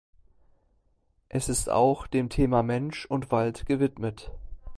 Es ist auch dem Thema "Mensch und Wald" gewidmet.